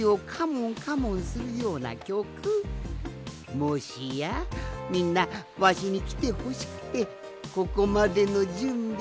もしやみんなわしにきてほしくてここまでのじゅんびを。